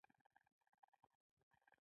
مهارت خلک سره توپیر کوي.